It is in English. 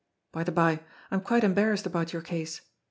By the bye, I am quite embarrassed about your case.